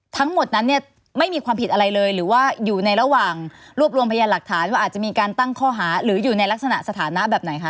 ทั้งหมดนั้นเนี่ยไม่มีความผิดอะไรเลยหรือว่าอยู่ในระหว่างรวบรวมพยานหลักฐานว่าอาจจะมีการตั้งข้อหาหรืออยู่ในลักษณะสถานะแบบไหนคะ